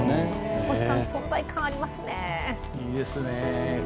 存在感ありますね。